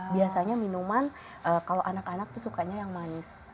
biasanya minuman kalau anak anak itu sukanya yang manis